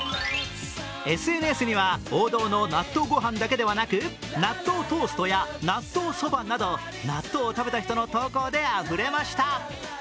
ＳＮＳには王道の納豆ご飯だけではなく納豆トーストや納豆そばなど納豆を食べた人の投稿であふれました。